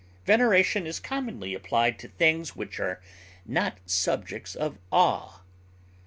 Veneration is commonly applied to things which are not subjects of awe.